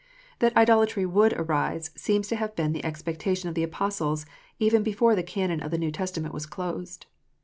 That idolatry would arise, seems to have been the expecta tion of the Apostles, even before the canon of the New Testa ment was closed.